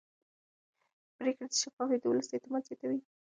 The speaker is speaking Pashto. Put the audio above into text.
پرېکړې چې شفافې وي د ولس اعتماد زیاتوي